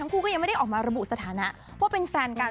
คู่ก็ยังไม่ได้ออกมาระบุสถานะว่าเป็นแฟนกัน